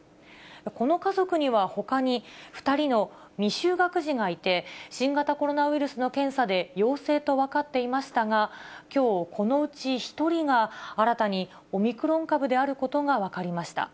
この家族にはほかに２人の未就学児がいて、新型コロナウイルスの検査で陽性と分かっていましたが、きょう、このうち１人が新たにオミクロン株であることが分かりました。